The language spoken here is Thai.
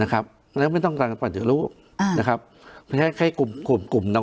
นะครับแล้วไม่ต้องรักษาฝันเดือดรู้นะครับแค่ให้กลุ่มกลุ่ม